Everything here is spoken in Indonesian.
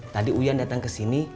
tadi uyan datang kesini